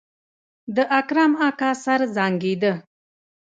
د اکرم اکا سر زانګېده.